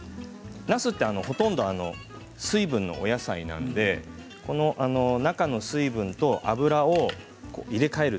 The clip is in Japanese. なすってほとんど水分のお野菜なので中の水分と油を入れ替える。